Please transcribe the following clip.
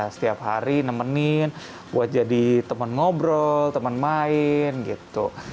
setiap hari nemenin buat jadi teman ngobrol temen main gitu